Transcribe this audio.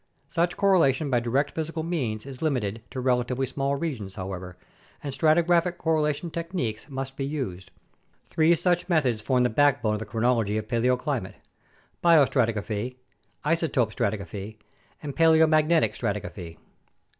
Such correlation by direct physical means is limited to relatively small regions, however, and stratigraphic correlation techniques must be used. Three such methods form the backbone of the chronology of paleoclimate : biostratigraphy, isotope stratigraphy, and paleomag netic stratigraphy.